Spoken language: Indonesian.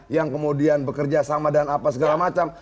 yang kemudian bekerja sama dan apa segala macam